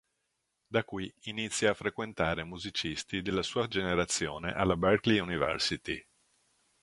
Da qui inizia a frequentare musicisti della sua generazione alla Berkley University.